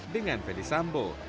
dengan ferdi sambo